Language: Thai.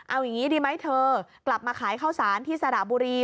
เอาอย่างนี้ดีไหมเธอกลับมาขายข้าวสารที่สระบุรี